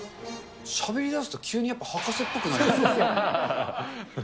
しゃべりだすと急にやっぱり博士っぽくなりますね。